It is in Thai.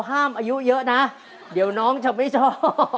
พวกเราห้ามอายุเยอะนะเดี๋ยวน้องจะไม่ชอบ